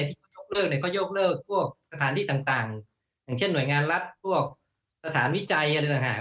ที่เขายกเลิกเนี่ยเขายกเลิกพวกสถานที่ต่างอย่างเช่นหน่วยงานรัฐพวกสถานวิจัยอะไรต่าง